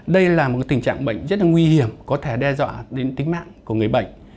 đây là một tình trạng bệnh rất là nguy hiểm có thể đe dọa đến tính mạng của người bệnh